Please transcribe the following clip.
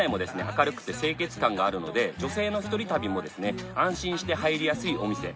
明るくて清潔感があるので女性の一人旅もですね安心して入りやすいお店